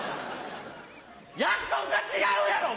約束が違うやろ！